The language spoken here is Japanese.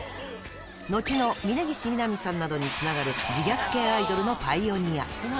後の峯岸みなみさんなどにつながる、自虐系アイドルのパイオニア。